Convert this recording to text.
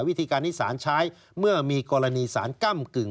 วิธีการที่สารใช้เมื่อมีกรณีสารก้ำกึ่ง